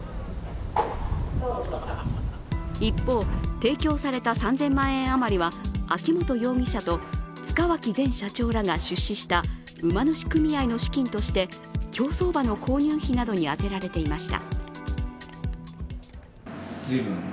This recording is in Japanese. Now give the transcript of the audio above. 一方、提供された３０００万円あまりは秋本容疑者と塚脇前社長らが出資した馬主組合の資金として競走馬の購入費などに充てられていました。